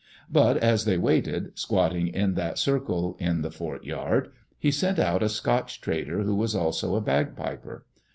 But as they waited, squatting in that circle in the fort yard, he sent out a Scotch trader, who was also a bagpiper.